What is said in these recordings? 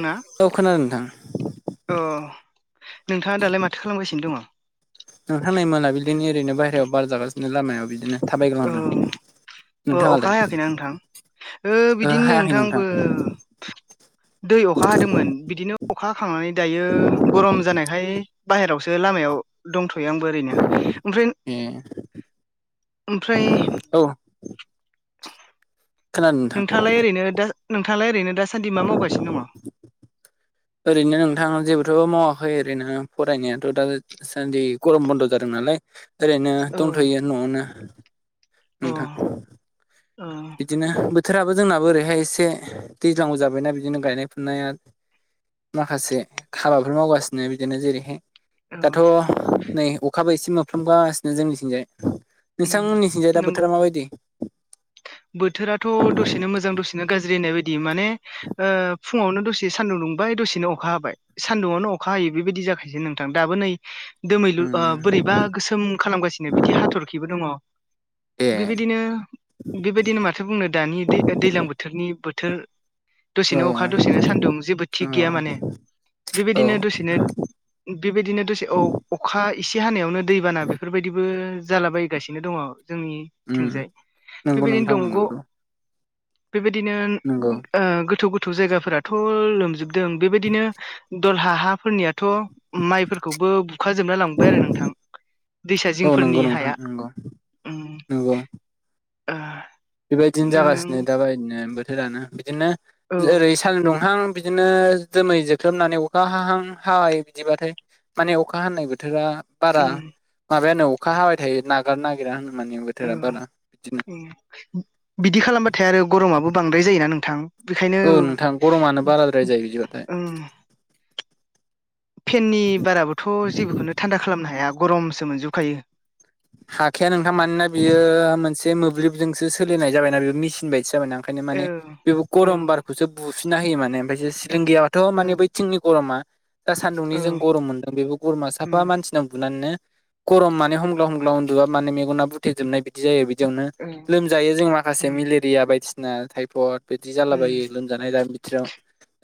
ना औ खोनादों नोंथां अ नोंथाङा दालाय माथो खालामगासिनो दङ नोंथां नै मोनाबिलिनि ओरैनो बाहहेरायाव बार जागासिनो लामायाव बिदिनो थाबायग्लांना ओ अखा हायाखैना नोंथां ओ बिदिनो नै नोंथां आंबो दै अखा हदोंमोन बिदिनो अखा हाखांनानै दायो गरम जानायखाय बाहेरावसो लामायाव दंथ'यो आंबो ओरैनो ओमफ्राय ए ओमफ्राय औ खोनादों नोंथां नोंथाङालाय ओरैनो दा नोंथाङालाय ओरैनो दासान्दि मा मावगासिनो दङ [inaudible] ओरैनो नोंथां जेबोथ'बो मावाखै ओरैनो फरायनायाथ' दा सानदै गरम बन्द जादों नालाय ओरैनो दंथ'यो न'आवनो औ नोंथां अ बिदिनो बोथोराबो जोंनाबो ओरैहाय एसे दैज्लांबो जाबायना बिदिनो गायनाय फुनाया माखासे हाबाफोर मावगासिनो बिदिनो जेरैहाय औ दाथ' नै अखाबो एसे मोफ्लामगासिनो जोंनिथिंजाय औ नोंथांमोननिथिंजाया नंगौ बोथोरा माबायदि बोथोराथ' दसेनो मोजां दसे नो गाज्रि होननाय बायदि माने ओ फुङावनो दसे सान्दुं दुंबाय दसेनो अखा हाबाय सान्दुआवनो अखा हायो बेबायदि जाखायो नोंथां दाबो नै दोमैलु ओ उम बोरैबा गोसोम खालामगासिनो बिथिं हाथरखिबो दङ ए बेबायदिनो बेबायदिनो माथो बुंनो दानि दै दैज्लां बोथोरनि बोथोर औ दसेनो अखा दसेनो सान्दुं जेबो औ थिग गैया माने औ बेबायदिनो दसेनो बेबायदिनो दसे अखा एसे हानायावनो दैबाना बेफोरबायदिबो जालाबाय गासिनो दङ जोंनि उम थिंजाय नंगौ नोंथां ओं नोंगौ बेबायदिनो ओ गोथौ गोथौ जायगाफोरा थ' लोमजोबदों बेबायदिनो दलहा हाफोरनिया थ' माइफोरखौबो बुखाजोबना लांबाय आरो नोंथां दैसा औ नंगौ जिंफोरनि नोंथां हाया नंगौ उम नंगौ ओ बेबायदिनो जागासिनो नों दाबायदिनो बोथोरानो बिदिनो औ ओरै सालुं दुंहां बिदिनो दोमै जोख्लोबनानै अखा हाहां हाबाय बिदिबाथाय माने अखा हानाय बोथोरा बारा उम माबायानो अखा हाबाय थायो नागार नागिरा होनो माने औ बोथोरा बारा बिदिनो बिदि खालामबाथाय आरो गरमाबो बांद्राय जायोना नोंथां बेखायनो औ नोंथां गरमानो बाराद्राय जायो बिदिबाथाय उम फेननि बाराबोथ' जेबोखौनो थान्दा खालामनो हाया गरमसो मोनजोबखायो हाखाया नोंथां मानोना बियो मोनसे मोब्लिबजोंसो सोलिनाय जाबायना बेयो मेचिन बायदिसो जाबायना ओंखायनो औ माने बेबो ओं गरमबारखौसो बुफिनना होयो माने ओमफ्राय ओं सिलिंगियाथ' माने ओं बैथिंनि गरमा दा सान्दुंनि औ जों गरम मोन्दों बेबो गरमा साफा उम मानसि बुनानैनो गरम मान हमग्ला हमग्ला उन्दुबा माने मेगना बु थेबजोबनाय बिदि जायो बिदियावनो औ लोमजायो जों माखासे उम मेलेरिया बायदिसिना थटाइफयड। बिदि उम जालाबायो लोमजानाय दानि बिथिराव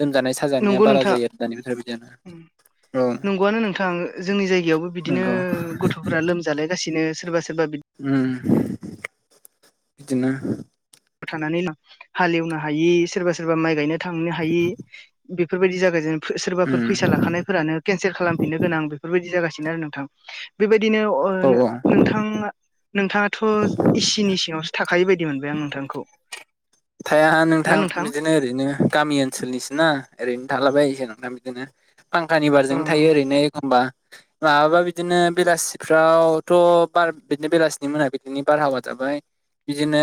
लोमजानाय साजानाया नंगौ बारा नोंथां जायो आरो दानि बिथोराव बिदिनो। उम नंगौआनो नोंथां जोंनि जायगायावबो बिदिनो नंगौ गथ'फोरा लोम जालायगासिनो सोरबा सोरबा बिदि उ बिदिनो। थानानै हालेवनो हायि सोरबा सोरबा माइ गायनो थांनो हायि बेफोरबायदि जागाय जेन सोरबाफोर फैसा उम लाखानायफोरानो केनसेल खालामफिननो गोनां बेफोरबायदि जागासिनो आरो नोंथां बेबायदिनो। औ औ नोंथा नोंथाङाथ' एसिनि सिङावसो थाखै बायदि मोनबाय आं नोंथांखौ। थाया नोंथां बिदिनो बिदिनो ओरैनो गामि ओनसोलनिसोना ओरैनो थालाबाय नों दा बिदिनो फांखानि अ बारजों थायो ओरैनो एखमबा माबाबा बिदिनो बेलासिफ्रावथ' बार बिदिनो बेलासिनि मोना बिदिनि बारहावा जाबाय। बिदिनो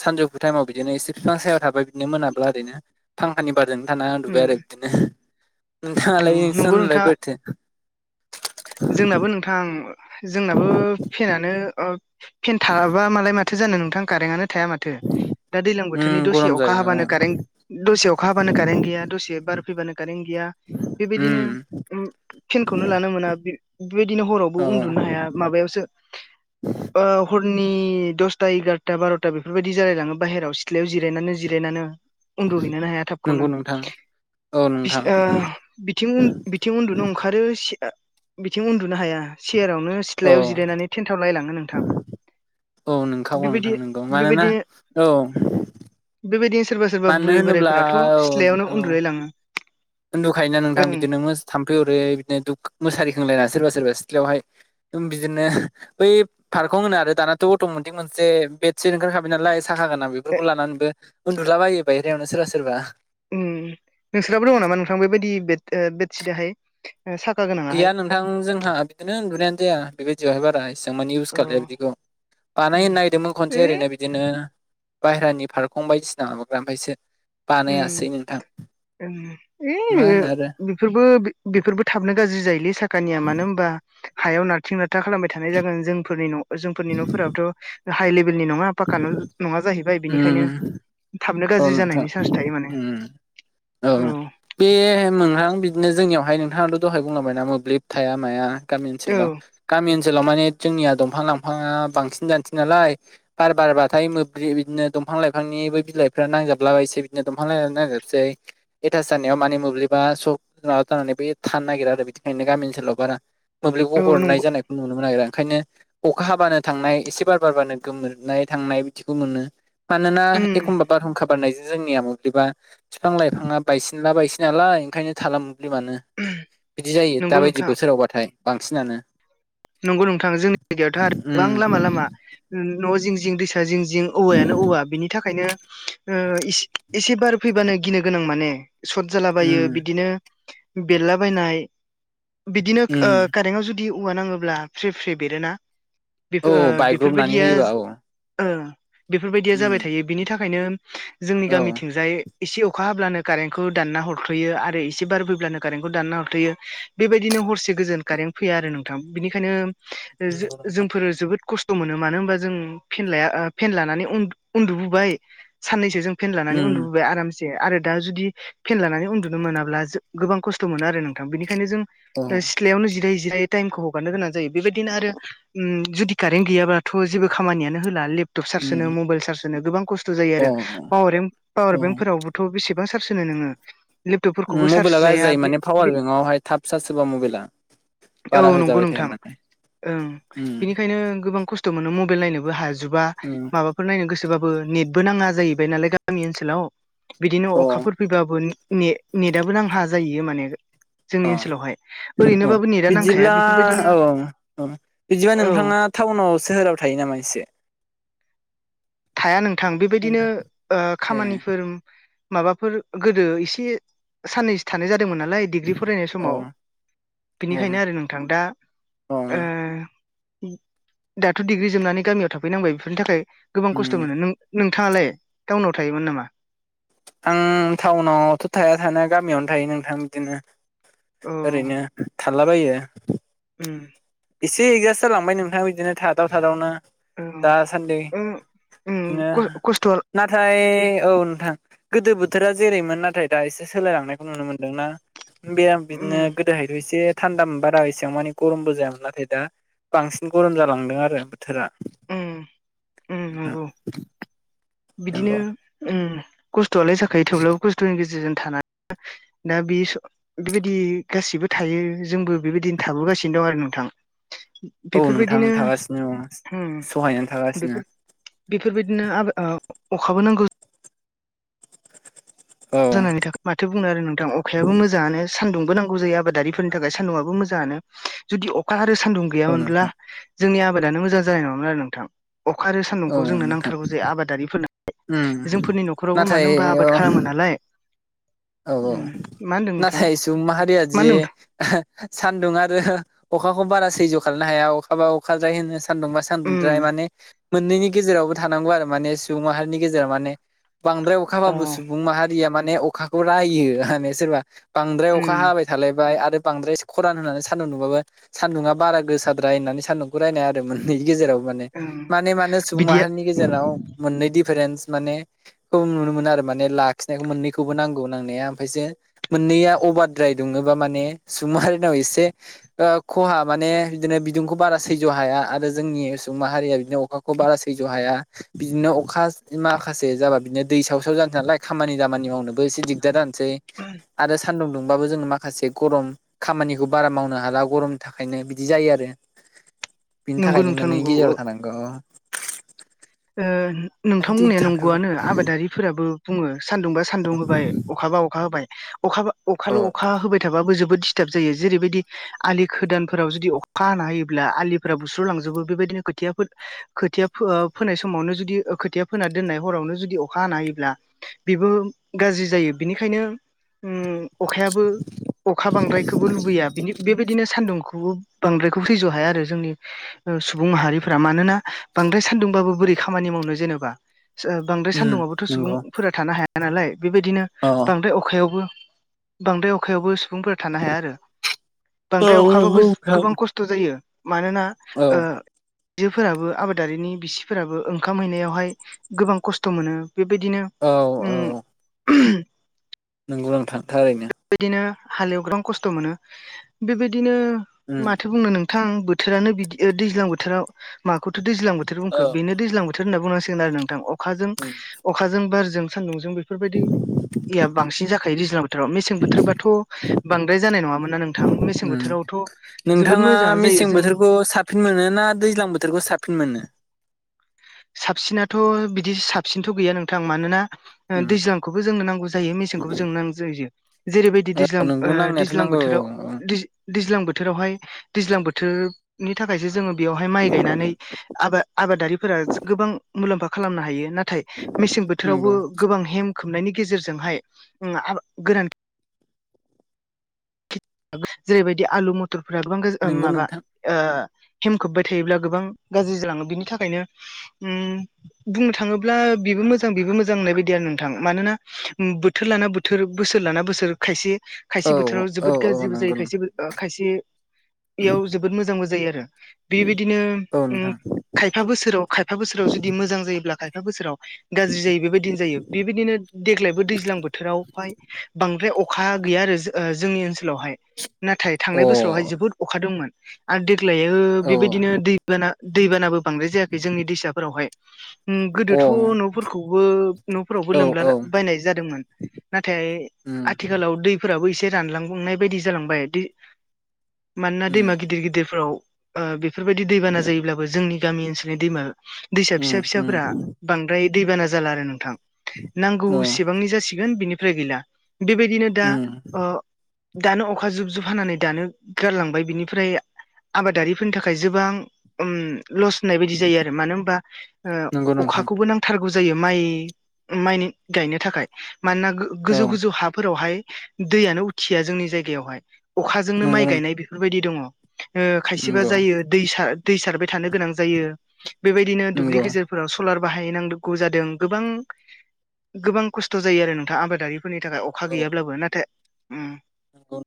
सानजौफु टाइमाव बिदिनो एसे फांसायाव थाबाय बिदिनो मोनाब्ला ओरैनो फांखानि बारजों थाना उन्दुबबाय उम आरो बिदिनो। औ नंगौ लायसानलाय नोंथाङा बेथो जोंनाबो नोंथां जोंनाबो फेनानो फेन थाबाबा मालाय मा माथो जानो नोंथां कारेन्टआनो थाया माथो दा दैज्लां उम बोथोरनि दसे गरम अखा जायो औ हाबानो कारेन्ट दसे अखा हाबानो कारेन्ट गैया दसे बारफैबानो कारेन्ट गोया। उम बेबायदिनो फेनखौनो लानो मोना बेबायदिनो हरावबो उन्दुनो हाया। माबायावसो ब [inaudible] हरनि दसथा एगारथा बार'था बेफोरबायदि जालायलाङो बाहेरायाव सिथ्लायाव जिरायनानै जिरायनानै उन्दुहैनोनो हाया थाबखौनो नंगौ नोंथां औ नोंथां बिं बिथिं उन्दुनो ओंखार आरो बिथिं उन्दुनो हाया सेयारावनो औ सिथ्लायाव जिरायनानै थेन्थाव लायलाङो नोंथां। औ नोंखागौ बेबायदि नोंथां नोंगौ मानोना बेबायदि औ। बेबायदिनो सोरबा सोरबा मानो बुरि होनोब्ला बोराइफोराथ' औ सिथ्लायावनो नोंथां औ उन्दुलायलाङो। उन्दुखायोना नोंथां बिदिनो थाम्फै हरै बिदिनो मुसारि खोंलायना सोरबा सोरबा सिथ्लायावहाय बिदिनो बै पार्कखौ होनो आरो दानाथ' अट'मेटिक मोनसे बे थेन ओंखारखाबाय नालाय साहा गाना ए- बेफोरखौ लानानैबो उन्दुलाबायो बायह्रायावनो सोरबा सोरबा नोंसोराबो दङ नामा नोंथां? बेबायदि बेडशिटहाय साखा गोनां। गैया नोंथां जोंहा बिदिनो उन्दुनायानो जाया बेबायदियावहाय बारा इसेबां माने अ इउस खालाया बिदिखौ। उम। बानायनो नागिरदोंमोन खनसे ओइ ओरैनो बि बिदिनो बाहेरानि फारखं बायदिसिना माबाग्रा ओमफ्रायसो बानायासै नोंथां मा होनो [unintelligible] आरो बेफोरबो बेफोरबो थाबनो गाज्रि जायोलै साखानिया मानो होमबा हायाव नारथिं नारथा खालामबाय थानाय जागोन जोंफोरनि न' जोंफोरनि न'फोराबथ' हाइ लेभेलनि नङा पााखान नङा जाहै उम। थाबनो औ गाज्रि नोंथां जानायनि चान्स थायो माने उम औ औ। बे मोनोंहां बिदिनो जोंनियावहाय नोंथाङाथ' दहाय बुंलांबायना मोब्लिब थाया माया। गामि औ ओनसोलाव गामि ओनसोलाव माने जोंनिया दंफां लाांफाङा बांसिन जानोसै नालाय। बार बारबाथाय मोब्लि बिदिनो दंफां लाइफांनिबो बिलाइ बे नांजाबलाबायसै बिदिनो दंफां लाय नांजोबसै एटास्ास जानायाव मानिे मोब्लिबा साबा जानानै बे थानो नागिरा आरो बिनिखायनो गामि ओनसोलाव बारा मोब्लिबखौ औ हरनाय नंगौ जानायखौ नुनो मोनो आरो ओंखायनो अखा हाबानो थांनाय एसे बार बारबानो गोमोरनाय थांनाय बिदिखौ मोनो मानोना उम एखमबा बारहुंखा बारनायजों जोंनिया मोब्लिबा बिफां लाइफाङा बायसिनला बायसि नालाय ओंखायनो थाला मोब्लिबानो बिदि जायो नंगौ दाबायदि नोंथां बोथोरावबाथाय बांसिनानो नंगौ नोंथां जोंनि जायगायावथ' आरो गोबां उम लामा लामा न' जिं जिं दै जिं जिं औवायानो औवा बिनि थाखायनो ओ एसे एसे बार फैबानो गिनो गोनां माने सर्ट उम जालाबायो बिदिनो बेरलाबायनाय बिदिनो उम कारेन्टाव जुदि औवा नाङो ब्ला फ्रि फ्रि बेरोना औ बेफोर ओ बायग्रबनानै बेफोरबायदिया होयोबा औ ओ बेफोरबायदिया उम जाबाय थायो बिनि थाखायनो जोंनि औ गामिथिंजाय एसे अखा हाब्लानो कारेन्टखौ दानना हरथ'यो आरो एसे बारबोैब्लानो कारेन्टखौ दानना हरथ'यो बेबायदिनो हरसे गोजोन कारेन्ट फैया आरो नोंथां बिनिखायनो जो नंगौ नोंथां जोंफोर जोबोद खस्थ' मोनो मानो होनबा जों फेन लाया फेन लानानै उन्दु उन्दुबोबाय साननैसो जों फेन लानानै उम उन्दबोबाय आराम से आरो दा जुदि फेन लानानै उन्दुनो मोनाब्ला गोबां खस्थ' मोनो आरो नोंथां बेनिखायनो जों औ उम सिथ्लायावनो जिरायै जिरायै टाइमखौ बानो गोनां जायो बेबायदिनो आरो उम जुदि कारेन्ट गैयाबाथ' जेबो खामानियानो होला ले टप चार्ज होनो मबाइल चार्ज होनो गोबां खस्थ' जायो अ आरो पाव पावार बेंकफोरावबो थ' बेसेबां सार्स होनो नोङो लेपटपफोरखौबो चार्ज मबाइला गाज्रि होजाया जायो बे माने पावार बे बेंकवहाय थाब चार्ज होबा मबाइला औ बारा नंगौ होजाबाय थाया नोंथां माने ओं उम बेनिखायनो गोबां खस्थ मोनो मबाइल नायनोबो हाजोबा उम माबा फोर नायनो गोसोबाबो नेटबो नाङा जाहैबाय नालाय गामि ओनसोलाव बिदिनो अखाफोर फैबाबो ने ने नेटाबो नांहा जाहैयो माने जोंनि अ ओनसोलावहाय ओरैनोबाबो नेटआ नांखाया आ बेफोरबायदिनो औ ओं बिदिबा औ नोंथाङा टाउनाव सोहोराव थायो नामा एसे थाया नोंथां बेबायदिनो ओ ए खामानिफोर माबाफोर गोदो एसे साननैसो थानाय जादोंमोन नालाय डिग्रि फरायनाय अ समाव अ बिनिखायनो आरो नोंथां दा अ ओ दाथ' डिग्रि जोबनानै गामियाव थाफैनांबाय बेफोरनि थाखाय गोबां खस्थ' उम मोनो नों नोंथाङालाय टाउनाव थायोमोन नामा आं टाउनावथ' थाया थानाया गामियावनो थायो नोंथां बिदिनो औ ओरैनो थारलाबायो उम एसे एगजास्ट जालांबाय नोंथाङा बिदिनो थादाव थादावनो औ दासान्दि उम उम बिदिनो खस्थ'आ नाथाय औ नोंथां गोदो बोथोरा जेरैमोन नाथाय दा एसे सोलायलांनायखौ नुनो मोनदोंना बे आं उम बिदिनो गोदोहायथ' एसे थान्दा बारा एसेबां मानि गरमबो जाया नाथाय दा बांसिन गरम जालांदों आरो बोथोरा उम उम नंगौ [unintelligible] बिदिनो खस्थ'आलाय जाखायो थेवब्लाबो खस्थ'नि गेजेरजों थाना दा बि स बेबायदि गासिबो थायो जोंबो बेबायदिनो थाबोगासिनो दं आरो नोंथां औ नोंथां बेफोरबायदिनो थागासिनो सहायनानै थागासिनो बेफोर बेफोरबायदिनो [unintelligible] अखाबो नांगौ औ जानायनि थाखा माथो बुंनो आरो नोंथां अखायाबो मोजाङानो सान्दुंबो नांगौ जायो आबादारिफोरनि थाखाय सान्दुङाबो मोजाङानो जुदि अखा आरो सान्दुं औ गैयामोनब्ला नोंथां जोंनि आबादानो मोजां जानाय नङामोन आरो नोंथां अखा आरो औ सान्दुंखौ जोंनो नोंथां नांथारगौ जायो आबादारिफोरनो उम जोंफोरनि न'खरावबो नाथाय मानो होनबा आबाद खालामो नालाय औ औ उम मा होनदों नोंथाङा नाथाय सुबुं माहारिया मा जि होनदों सान्दुं आरो अखाखौ बारा सैज' खालामनो हाया अखाबा अखाद्राय होनो सान्दुंबा सान्दुंद्राय उम माने। मोननैनि गेजेरावबो थानांगौ आरो माने सुबुं माहारिनि गेजेराव माने। बांद्राय अखा अ हाबाबो सुबुं माहारिया माने अखाखौ रायो माने सोरबा बांद्राय अखा उम हाबाय। थालायबाय आरो बांद्रायसे खरान होननानै सान्दुं दुंबाबो सान्दुंआ बारा गोसाद्राय होननानै सान्दुंखौ रायनाय मोनैनि गेजेराव माने ओं माने मानो सुबुं बिदिया माहारिनि गेजेराव मोननै दिफारेन्स माने खौ नुनो मोनो आरो माने लाखिनायखौ मोननैखौबो नां गौ नांनाया ओमफ्रायसो मोननैया अभारद्राय दुङोबा माने सुबुं माहारिनाव एसे ओ खहा माने बिदिनो बिदुंखौ बारा सैज्य हाया आरो जोंनि सुबुं माहारिया बिदिनो अखा बारा सैज'हाया। बिदिनो अखा माखासे जाबा बिदिनो दै साव साव जानो नालाय खामानि दामानि मावनो। बो एसे दिगदार जानोसै आरो सानदुं दुंबाबो जोङो माखासे गरम खामानिखौ बारा मावनो हाला गरमनि थाखायनो बिदि जायो आरो। बिनि नंगौ थाखायनो नोंथां मोननैनि नंगौ गेजेराव थानांगौ औ। ओ नोंथां बुंनाया नंगौआनो आबादारि फोराबो बुङो सानदुं बा सान्दुं होबाय अखाबा अखा होबाय अखाबा अखाल' औ अखा होबाय थाबाबो दिसटाब जायो। जेरैबायदि आलि खोदानफोराव जुदि अखा हाना होयोब्ला आलिफोरा बुस्रुलांजोबो बेबायदिनो खोथियाफोर खोथिया फो-फोनाय समावनो जुदि खोथिया फोना दोननाय हरावनो जुदि अखा हाना होयोब्ला बेबो गाज्रि जायो बेनिखायनो ओम अखायाबो अखा बांद्रायखोबो लुबैया बिनि बेबायदिनो सान्दुंखौबो। बांद्रायखौ सैज' हाया आरो जोंनि ओ सुबुं माहारिफोरा मानोना बांद्राय सान्दुं बाबो बोरै खामानि मावनो जेनेबा बांद्राय उम सान्दुंङआबोथ' सुबुं नंगौ फोरा थानो हाया नालाय बेबायदिनो अ बांद्राय अखायावबो बांद्राय अखायावबो सुबुंफोरा थानो हाया आरो औ बांद्राय नंगौ अखाबाबो नोंथां गोबां खस्थ' जायो मानोना औ ओ आइजोफोराबो आबादारिनि बिसि फोराबो ओंखाम हैनायावहाय गोबां खस्थ' मोनो बेबायदिनो औ उम ओ। [unintelligible] नोंगौ नोंथां थारैनो। बेबायदिनो हालेव गोबां खस्थ' मोनो बेबायदिनो उम माथो बुंनो नों गोजां बोथोरानो बिदि ओ दैज्लां बोथोराव माखौथ' दैज्लां बोथोर औ बुंखो। बेनो दैज्लां बो होनना बुंनांसिगोन आरो नोंथां अखाजों उम अखाजों बारजों सान्दुंजों बेफोरबायदि या बांसिन जाखायो दैज्लां बोथोराव मेसें बोथोरबाथ' बांद्राय जानाय नङामोना नोंथां। मेसें उम बोथोरावथ' जोबोद नोंथाङा मोजाङानो जायो। मेसें जों बोथोरखौ साबसिन मोनो ना दैज्लां बोथोरखौ साबफिन मोनो? साबसिनाथ' बिदि साबसिनथ' गैया नोंथां। मानोना ओ उम दैज्लांखौबो जोंनो नांगौ जायो। मेसेंखौबो जोंनो नांगौ जायो जेरैबायदि दैज्लां ओ नंगौ नांनायाथ' दैज्लां नांगौ औ बोथोराव औ दै दैज्लां बोथोरावहाय दैज्लां बोथोरनि थाखायसो जोङो बेयावहाय माइ गायनानै आबा आबादारिफोरा गोबां मुलाम्फा खालामनो हायो नाथाय मेसें बोथोरावबो नंगौ गोबां हेम खोबनायनि गेजेरजोंहाय ओम गोरान थि जेरैबायदि आलु मथरफोरा गोबां गोज--ओं नंगौ माबा। नोंथां ओ हेमखोबबाय थायोब्ला गोबां गाज्रि जालाङो। बिनि थाखायनो उम [inaudible] बुंनो थाङोब्ला बेबो मोजां बेबो मोजां मोननाय बायदि आरो नोंथां मानोना बो बोथोर लाना बोथोर बोसोर लाना बोसोर खायसे खायसे औ बोथोराव औ जोबोद औ गाज्रिबो जायो। नंगौ खायसे नोंथां ओ खायसे इयाव जोबोद मोजांबो जायो आरो बेबायदिनो औ उम। नोंथां खायफा बोसोराव खायफा बोसोराव जुदि मोजां जायोब्ला खायफा बोसोराव गाज्रि जायो बेबायदिनो जायो बेबायदिनो देग्लायबो दैज्लां बोथोरावहाय बांद्राय अखा गैया आरो जोंनि ओनसोलावहाय नाथाय अ थांनाय औ बोसोरावहाय जोबोद अखा दंमोन आरो देग्लायो औ बेबायदिनो दैबाना दैबानाबो बांद्राय जायाखै जोंनि दैसाफोरावहाय गोदोथ' न'फोरखौबो न'फोरावबो अ औ लोमला औ बायनाय जादोंमोन नाथाय उम आथिखालाव दै फोराबो एसे रानलांनाय बायदि जालांबाय मानोना उम दैमा गिदिर गिदिरफोराव बेफोरबायदि दैबाना जायोब्लाबो जोंनि गामि ओनसोलनि दैमा दैसा उम फिसा फिसाफोरा उम बांद्राय दैबाना जाला आरो नोंथां नांगौ औ एसेबांनि जासिगोन बिनिफ्राय गैला बेबायदिनो दा उम दानो अखा जुब जुब हानानै दानो गारलांबाय बिनिफ्राय आबादारिफोरनि थाखाय गोबां लस होननाय बायदि जायो मानो होनबा नंगौ नोंथां अखाखौबो नांगौ [unintelligible] थारगौ जायो माइ माइ गायनो थाखाय मानोना औ गोजौ गोजौ हाफोरावहाय दैयानो उथिया जोंनि जायगायावहाय अखाजोंनो नंगौ माइ गायनाय बेफोरबायदि दङ खायसेबा नंगौ जायो दै दै सारबाय थानो गोनां जायो बेबायदिनो दुब्लि नंगौ गेजेर फोराव सलार बाहायनांगौ जादों गोबां गोबां खस्थ' जायो आरो नोंथाङा आबादारि फोरनि थाखाय अखा औ गैयाब्लाबो नाथाय [inaudible]